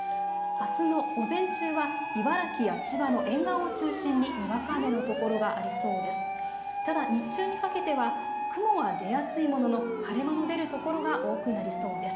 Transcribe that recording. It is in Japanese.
あすの午前中は茨城や千葉の沿岸を中心ににわか雨の所がありそうです。